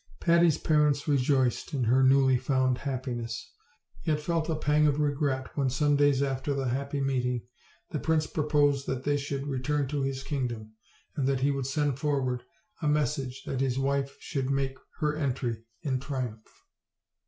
Patty's parents rejoiced in her newly found happiness, yet felt a pang of regret when, some days after the happy meeting, the prince proposed that they should re turn to his kingdom, and that he would send forward a message that his wife should make her entry in triumph.